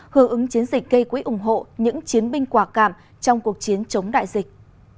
hưởng ứng chiến dịch gây quỹ ủng hộ những chiến binh quả cảm trong cuộc chiến chống đại dịch